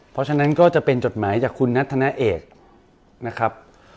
เพราะฉะนั้นก็จะเป็นจดหมายจากคุณนัทธนาเอกนะครับ